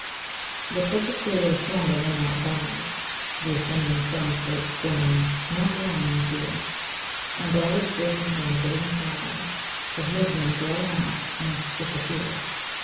But such ethereal slumber may not bide The ascending sun's bright scorn not long, I fear; And all its visions on the golden tide Of mid noon gliding off, must disappear.